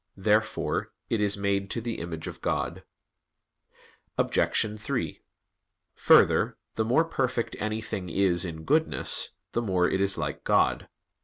Therefore it is made to the image of God. Obj. 3: Further, the more perfect anything is in goodness, the more it is like God.